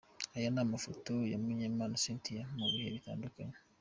Aya ni amafoto ya Mugemana Cynthia mu bihe butandukanye.